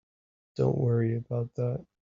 Don't worry about that.